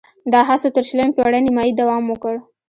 دا هڅو تر شلمې پېړۍ نیمايي دوام وکړ